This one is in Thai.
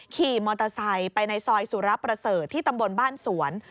ขี่มอเตอร์ไซค์ไปในซอยสุรประเสริฐที่ตำบลบ้านสวน